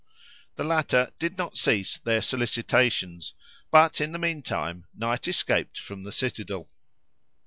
The latter did not cease their solicitations; but in the mean time, Knight escaped from the citadel.